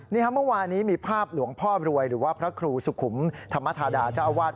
เมื่อวานนี้มีภาพหลวงพ่อบรวยหรือว่าพระครูสุขุมธรรมธาตุอาวาสวัสดิ์